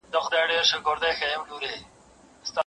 درې زمري یې له هډونو جوړېدله